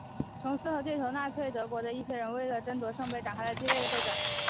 琼斯和对头纳粹德国的一些人为了争夺圣杯展开了激烈的斗争。